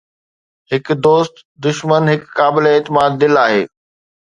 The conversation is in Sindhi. هڪ دوست دشمن هڪ قابل اعتماد دل آهي